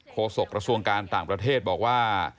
โศกระทรวงการต่างประเทศบอกว่า